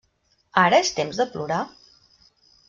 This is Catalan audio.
Ara és temps de plorar?